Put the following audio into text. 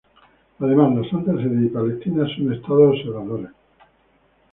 Además, la Santa Sede y el Palestina son estados observadores.